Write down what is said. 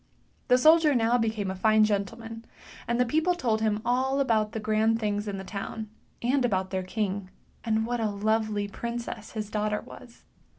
The soldier now became a fine gentleman, and the people told him all about the grand things in the town, and about their king, and what a lovely princess his daughter was.